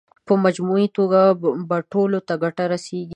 په مجموعي توګه به ټولو ته ګټه رسېږي.